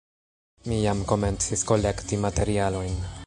Mi jam komencis kolekti materialojn.